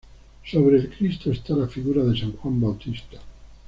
Sobre el Cristo está la figura de san Juan Bautista.